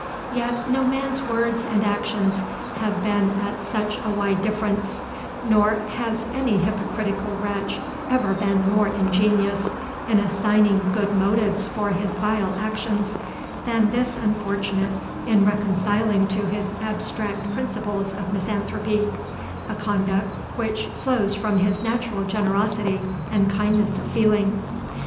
Yet no man's words and actions have been at such a wide difference, nor has any hypocritical wretch ever been more ingenious in assigning good motives for his vile actions, than this unfortunate in reconciling to his abstract principles of misanthropy, a conduct which flows from his natural generosity and kindness of feeling."